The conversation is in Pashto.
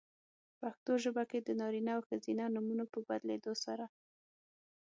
پښتو ژبه کې د نارینه او ښځینه نومونو په بدلېدو سره؛